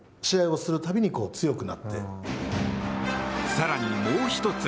更に、もう１つ。